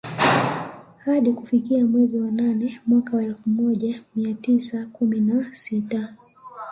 Hadi kufikia mwezi wanane mwaka wa elfu moja amia tisa kumi nasita